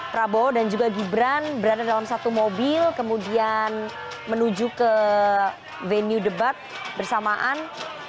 prabowo dan juga gibran berada dalam satu mobil kemudian menuju ke venue debat bersamaan